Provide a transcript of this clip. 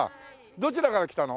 どちらから来たの？